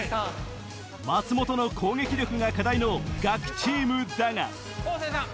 松本の攻撃力が課題のガキチームだが方正さん。